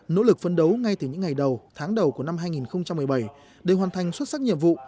nỗ lực phân đấu ngay từ những ngày đầu tháng đầu của năm hai nghìn một mươi bảy để hoàn thành xuất sắc nhiệm vụ